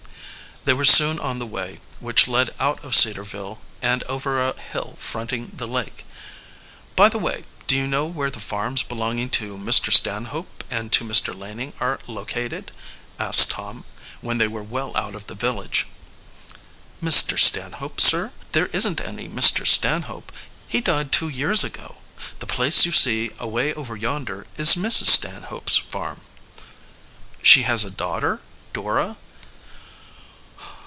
They were soon on the way, which led out of Cedarville and over a hill fronting the lake. "By the way, do you know where the farms belonging to Mr. Stanhope and to Mr. Laning are located?" asked Tom, when they were well out of the village. "Mr. Stanhope, sir? There isn't any Mr. Stanhope. He died two years ago. That place you see away over yonder is Mrs. Stanhope's farm." "She has a daughter Dora?"